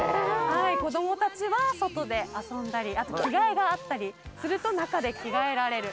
子供たちは外で遊んだりあと着替えがあったりすると中で着替えられる。